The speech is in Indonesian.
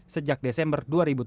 sejak desember dua ribu tujuh belas